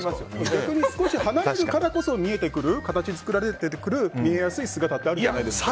逆に少し離れるからこそ見えてくる、形作られてくる見えやすい姿ってあるじゃないですか。